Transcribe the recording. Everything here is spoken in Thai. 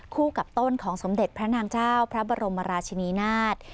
กับต้นของสมเด็จพระนางเจ้าพระบรมราชินีนาฏ